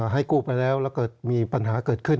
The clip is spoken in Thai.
ให้กู้ไปแล้วแล้วเกิดมีปัญหาเกิดขึ้น